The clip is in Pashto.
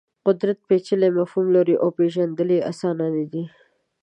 قدرت پېچلی مفهوم لري او پېژندل یې اسان نه دي.